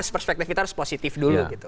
perspektif kita harus positif dulu gitu